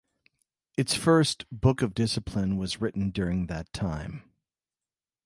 Its first Book of Discipline was written during that time.